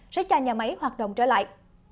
sẽ cho nhà máy hoạt động trở lại